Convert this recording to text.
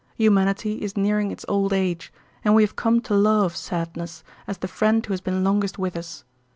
Humanity is nearing its old age, and we have come to love sadness, as the friend who has been longest with us.